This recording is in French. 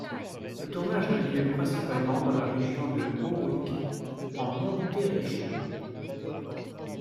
Le tournage a eu lieu principalement dans la région de Howick en Montérégie.